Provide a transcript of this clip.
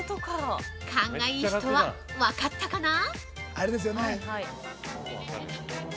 ◆勘がいい人は分かったかな。